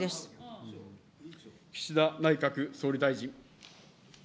岸田内閣総理大臣。